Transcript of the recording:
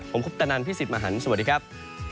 ผมคุปตะนันพี่สิทธิ์มหันฯสวัสดีครับ